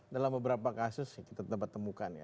dalam beberapa kasus kita dapat temukan ya